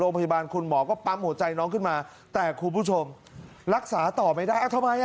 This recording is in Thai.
โรงพยาบาลคุณหมอก็ปั๊มหัวใจน้องขึ้นมาแต่คุณผู้ชมรักษาต่อไม่ได้